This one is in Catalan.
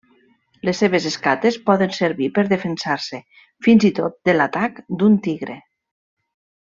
Les seves escates poden servir per defensar-se fins i tot de l'atac d'un tigre.